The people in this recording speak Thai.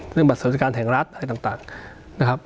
เรื่องบรรษฐการณ์แห่งรัฐอะไรต่างนะครับ